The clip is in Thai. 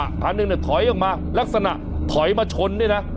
พันธุ์หนึ่งถอยออกมาลักษณะถอยมาชนเนี่ยนะ